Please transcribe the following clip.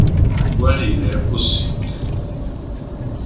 Guarire è possibile".